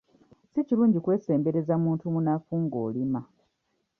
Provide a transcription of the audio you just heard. Si kirungi kwesembereza muntu munnafu ng'olima